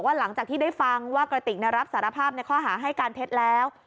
หลังจากที่ได้ฟังว่ากระติกรับสารภาพในข้อหาให้การเท็จแล้ว